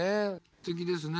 すてきですね。